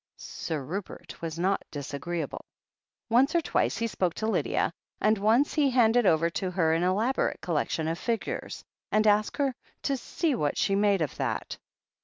Sir Rupert was not disagreeable. Once or twice he spoke to Lydia, and once he handed over to her an elaborate collection of figures, and asked her to "see what she made of that."